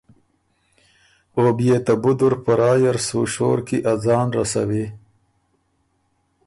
او بيې ته بُدُر په رایه ر سُو شور کی ا ځان رسوی۔